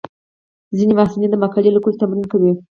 ځینې محصلین د مقالې لیکلو تمرین کوي.